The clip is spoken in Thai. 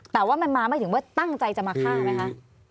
แต่ว่ามันมาไม่ถึงว่าตั้งใจจะมาฆ่าไหมคะ